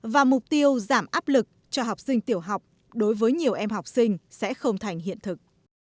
và mục tiêu giảm áp lực cho học sinh tiểu học đối với nhiều em học sinh sẽ không thành hiện thực